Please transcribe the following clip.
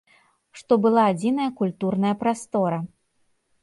Што была адзіная культурная прастора.